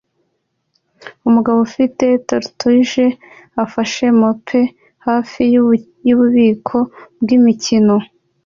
Umugabo ufite tatouage ufashe mope hafi yububiko bwimikino